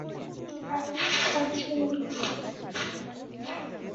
তাঁর এই ভাগনিটি তার সুন্দর।